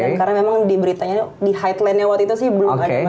dan karena memang di beritanya di highline nya waktu itu sih belum ada masinis wanita